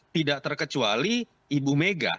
tidak terkecuali ibu mega